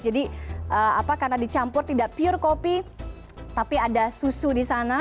jadi karena dicampur tidak pure kopi tapi ada susu di sana